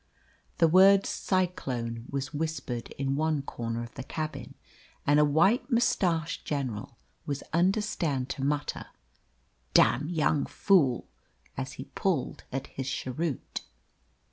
The word "cyclone" was whispered in one corner of the cabin, and a white moustached general was understood to mutter "Damned young fool!" as he pulled at his cheroot.